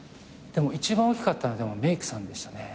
でも一番大きかったのはメークさんでしたね。